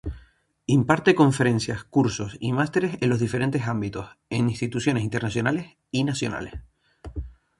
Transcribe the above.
Imparte conferencias, cursos y másteres en los diferentes ámbitos, en instituciones internacionales y nacionales.